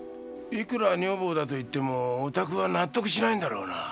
いくら女房だと言ってもお宅は納得しないんだろうな。